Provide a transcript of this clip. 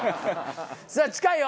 さあ近いよ！